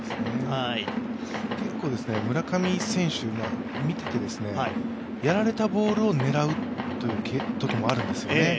結構、村上選手を見てて、やられたボールを狙うときもあるんですよね。